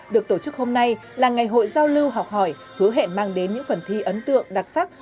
được tổ chức hôm nay là ngày hội giao lưu học hỏi hứa hẹn mang đến những phần thi ấn tượng đặc sắc